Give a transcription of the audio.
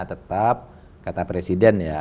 tetap kata presiden ya